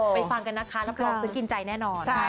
ไปฟังกันนะคะแล้วก็โรคซึ่งกินใจแน่นอน